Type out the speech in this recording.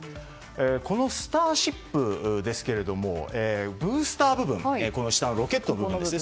この「スターシップ」ですがブースター部分下のロケットの部分ですね。